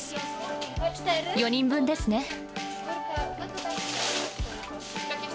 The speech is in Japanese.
４人分ですね。